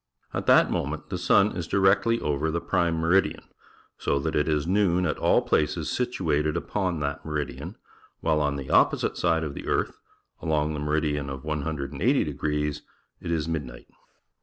At th at moment the su n is directly over the prim e meridian, so that it is noon at all places situated upon that meridia n, while on the opposite side of the earth, along the meridian of 180°, i t is mid night.